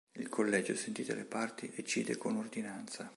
Il collegio, sentite le parti, decide con ordinanza.